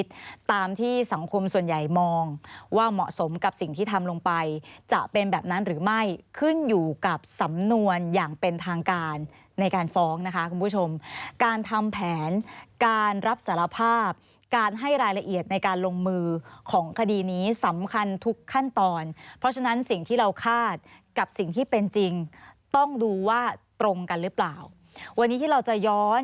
ตามที่สังคมส่วนใหญ่มองว่าเหมาะสมกับสิ่งที่ทำลงไปจะเป็นแบบนั้นหรือไม่ขึ้นอยู่กับสำนวนอย่างเป็นทางการในการฟ้องนะคะคุณผู้ชมการทำแผนการรับสารภาพการให้รายละเอียดในการลงมือของคดีนี้สำคัญทุกขั้นตอนเพราะฉะนั้นสิ่งที่เราคาดกับสิ่งที่เป็นจริงต้องดูว่าตรงกันหรือเปล่าวันนี้ที่เราจะย้อน